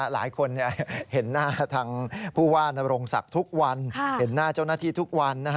หลายคนเห็นหน้าทางผู้ว่านโรงศักดิ์ทุกวันเห็นหน้าเจ้าหน้าที่ทุกวัน